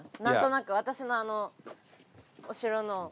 何となく私のお城の。